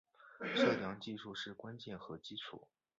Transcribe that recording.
测量技术是关键和基础。